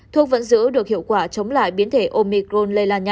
thuốc vẫn giữ được hiệu quả chống lại biến thể omicron